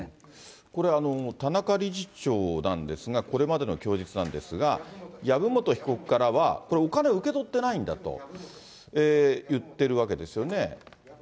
これ、田中理事長なんですが、これまでの供述なんですが、籔本被告からは、お金を受け取っていないんだと言ってるわけですよね。